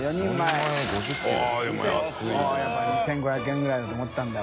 笋辰２５００円ぐらいだと思ったんだ